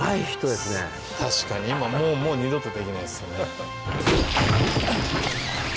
確かに今もうもう二度とできないですよね